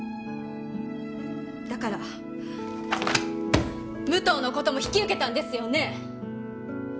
だから武藤のことも引き受けたんですよね？